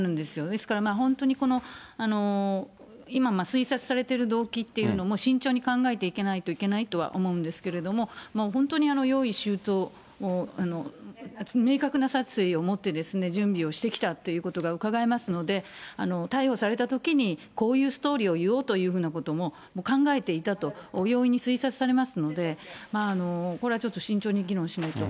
ですから本当にこの、今、推察されてる動機というのも、慎重に考えていかないといけないとは思うんですけれども、本当に用意周到、明確な殺意を持って準備をしてきたということがうかがえますので、逮捕されたときにこういうストーリーを言おうというふうなことももう考えていたと、容易に推察されますので、これはちょっと慎重に議論しないと。